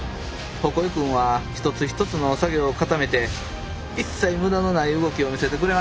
鉾井くんは一つ一つの作業を固めて一切無駄のない動きを見せてくれました。